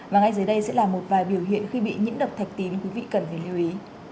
và ngay dưới đây sẽ là một vài biểu hiện khi bị nhiễm độc thạch tín quý vị cần phải lưu ý